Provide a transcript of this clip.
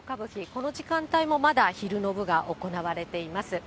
この時間帯もまだ昼の部が行われています。